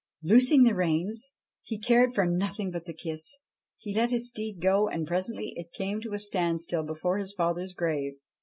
Loosing the reins he cared for nothing but the kiss he let his steed go, and presently it came to a standstill before his father's grave.